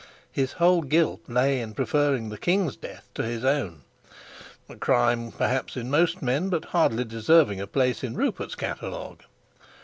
His whole guilt lay in preferring the king's death to his own a crime perhaps in most men, but hardly deserving a place in Rupert's catalogue.